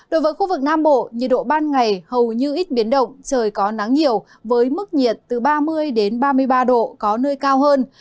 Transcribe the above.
đối với khu vực nam bộ nhiệt độ ban ngày hầu như ít biến động trời có nắng nhiều với mức nhiệt từ ba mươi ba mươi ba độ có nơi cao hơn